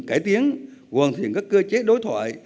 cải tiến hoàn thiện các cơ chế đối thoại